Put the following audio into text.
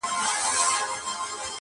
آه د لمر کجاوه څه سوه؟ -